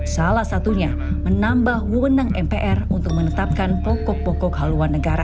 salah satunya menambah wewenang mpr untuk menetapkan pokok pokok haluan negara